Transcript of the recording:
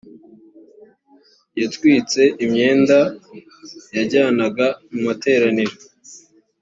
yatwitse imyenda yajyanaga mu materaniro